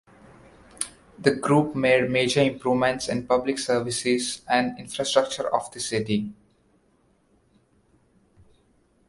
The group made major improvements in public services and infrastructure of the city.